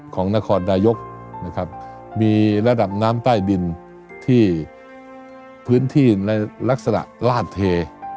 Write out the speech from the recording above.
ของนครนายกนะครับมีระดับน้ำใต้ดินที่พื้นที่ในลักษณะลาดเท